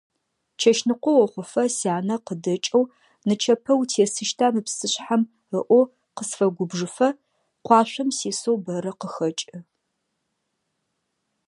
Чэщныкъо охъуфэ, сянэ къыдэкӀэу «нычэпэ утесыщта мы псышъхьэм» ыӀоу, къысфэгубжыфэ къуашъом сисэу бэрэ къыхэкӀы.